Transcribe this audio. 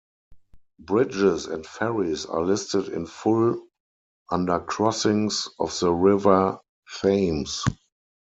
Bridges and ferries are listed in full under Crossings of the River Thames.